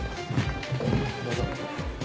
どうぞ。